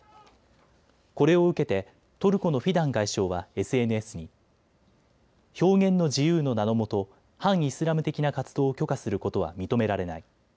これを受けてトルコのフィダン外相はＳＮＳに表現の自由の名のもと反イスラム的な活動を許可することは認められない。